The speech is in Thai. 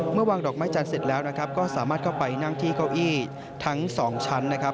วางดอกไม้จันทร์เสร็จแล้วนะครับก็สามารถเข้าไปนั่งที่เก้าอี้ทั้งสองชั้นนะครับ